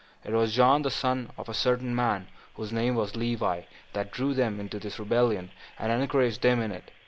It was John, the son of a certain man whose name was Levi, that drew them into this rebellion, and encouraged them in it.